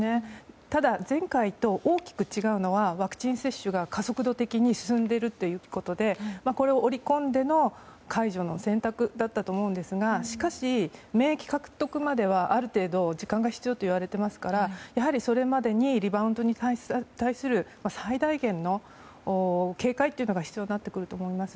ただ、前回と大きく違うのはワクチン接種が加速度的に進んでいるということでこれを織り込んでの解除の選択だったと思うんですがしかし、免疫獲得まではある程度時間が必要と言われていますからやはり、それまでにリバウンドに対する最大限の警戒というのが必要になってくると思います。